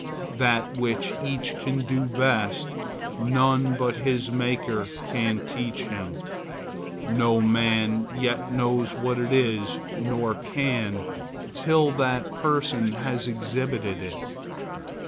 That which each can do best, none but his Maker can teach him. No man yet knows what it is, nor can, till that person has exhibited it.